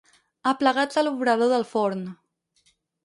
Aplegats a l'obrador del forn.